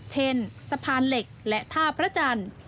สะพานเหล็กและท่าพระจันทร์